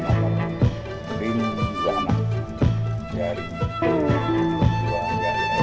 pemaparan pin buah anak jari buah jari dan selanjutnya